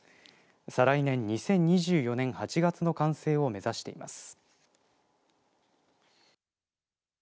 再来年２０２４年８月の完成を目指しています。